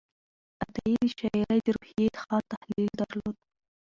عطایي د شاعرۍ د روحیې ښه تحلیل درلود.